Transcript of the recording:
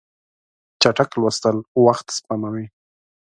چټک لوستل وخت سپموي.